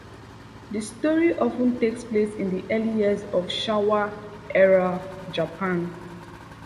The stories often take place in the early years of Showa Era Japan.